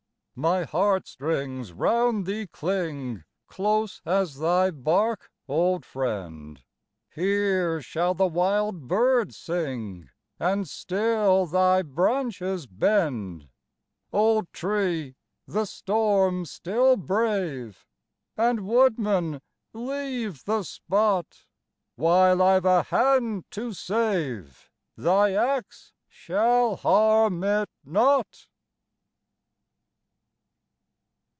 My heart strings round thee cling, Close as thy bark, old friend! Here shall the wild bird sing, And still thy branches bend. Old tree! the storm still brave! And, woodman, leave the spot; While I've a hand to save, thy axe shall harm it not.